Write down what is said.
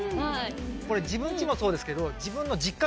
これ自分家もそうですけど。